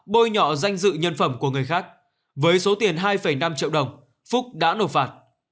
bôi nhọ danh dự nhân phẩm của người khác với số tiền hai năm triệu đồng phúc đã nộp phạt